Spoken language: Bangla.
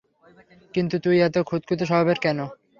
কিন্তু তুই এতো খুঁতখুতে স্বভাবের কেন?